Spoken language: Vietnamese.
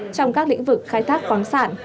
trong các lĩnh vực khai thác khoáng sản